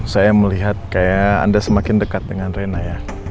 saya melihat kayak anda semakin dekat dengan rena ya